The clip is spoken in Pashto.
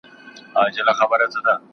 الوتکه د نوي سفر لپاره چمتو کېده.